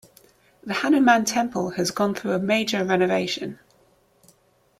The Hanuman Temple has gone through a major renovation.